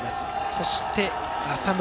そして、浅村。